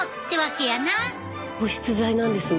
保湿剤なんですね。